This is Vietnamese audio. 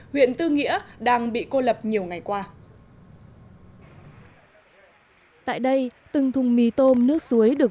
huyện tư nghĩa đang bị cô lập nhiều ngày qua tại đây từng thùng mì tôm nước suối được